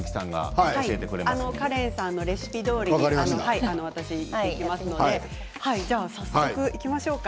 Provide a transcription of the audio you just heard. カレンさんのレシピどおりに私が説明しますので早速いきましょうか。